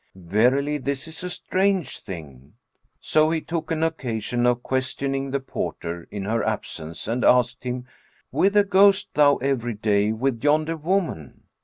Verily, this is a strange thing!" So he took an occasion of questioning the porter, in her absence, and asked him, "Whither goest thou every day with yonder woman?"